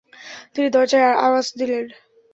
তিনি দরজায় আওয়াজ দিলেন।